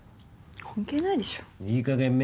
関係ないでしょいい加減目